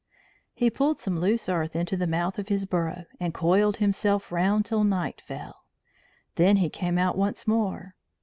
He pulled some loose earth into the mouth of his burrow, and coiled himself round till night fell. Then he came out once more.